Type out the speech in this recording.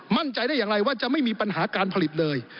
มั่นใจได้อย่างไรว่าจะไม่มีปัญหาการผลิตเลย